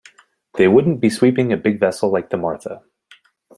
They wouldn't be sweeping a big vessel like the Martha.